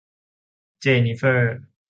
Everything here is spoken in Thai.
เจนนิเฟอร์